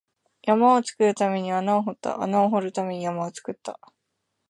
山を作るために穴を掘った、穴を掘るために山を作った